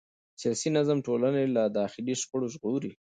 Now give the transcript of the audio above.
سیاسي زغم ټولنه له داخلي شخړو ژغوري